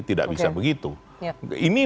tidak bisa begitu ini